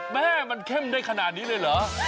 แม่มันเข้มได้ขนาดนี้เลยเหรอ